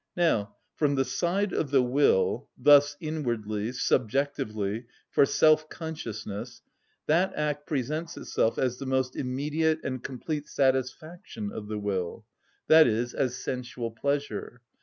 Now, from the side of the will, thus inwardly, subjectively, for self‐ consciousness, that act presents itself as the most immediate and complete satisfaction of the will, i.e., as sensual pleasure.